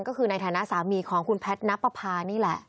ก็คือในฐานะสามีของคุณแพทย์นับประพานี่แหละ